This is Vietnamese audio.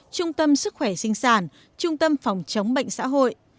trung tâm sức khỏe sinh sản trung tâm phòng chống bệnh xã hội